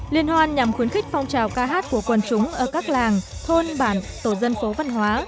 liên hoan nhằm khuyến khích phong trào ca hát của quần chúng ở các làng thôn bản tổ dân phố văn hóa